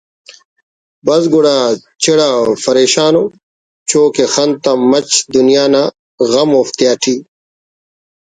بس گڑا چڑہ فریشان ءُ چوہ کہ خن تا مچ دنیا نا غم اوفتیاٹے